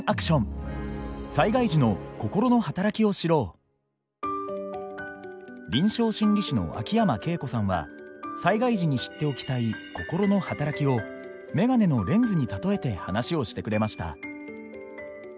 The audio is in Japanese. そこで臨床心理士の秋山恵子さんは災害時に知っておきたい心の働きを眼鏡のレンズに例えて話をしてくれました。